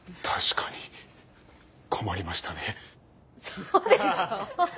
そうでしょう？